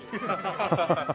ハハハハ！